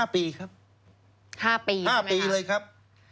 ๕ปีครับ๕ปี๕ปีเลยครับ